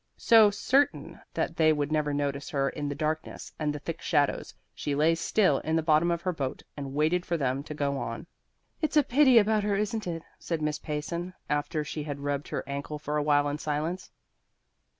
So, certain that they would never notice her in the darkness and the thick shadows, she lay still in the bottom of her boat and waited for them to go on. "It's a pity about her, isn't it?" said Miss Payson, after she had rubbed her ankle for a while in silence.